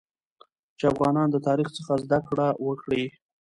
چې افغانان د تاریخ څخه زده کړه وکړي